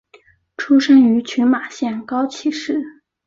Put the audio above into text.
出身于群马县高崎市。